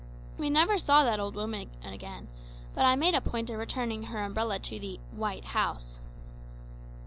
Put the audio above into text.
We never saw that old woman again, but I made a point of returning her umbrella to the "white house."